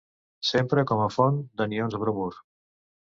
S'empra com a font d'anions bromur.